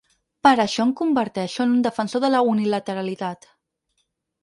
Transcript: Per això em converteixo en un defensor de la unilateralitat.